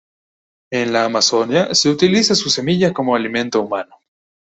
En la Amazonia se utiliza su semilla como alimento humano.